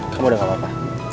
kamu udah gapapa